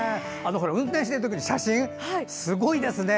運転している時の写真すごいですね。